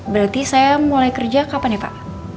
berarti saya mulai kerja kapan ya pak